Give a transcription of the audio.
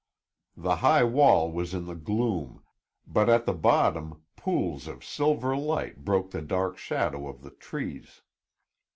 The high wall was in the gloom, but at the bottom pools of silver light broke the dark shadow of the trees.